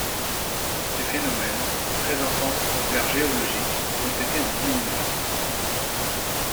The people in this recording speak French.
Ces phénomènes, très intenses aux ères géologiques, ont été en diminuant.